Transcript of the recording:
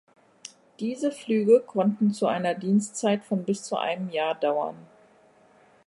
Diese Flüge konnten zu einer Dienstzeit von bis zu einem Jahr dauern.